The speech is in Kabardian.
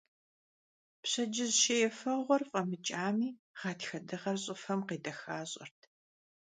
Пщэдджыжь шей ефэгъуэр фIэмыкIами, гъатхэ дыгъэр щIыфэм къедэхащIэрт.